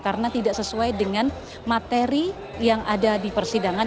karena tidak sesuai dengan materi yang ada di persidangan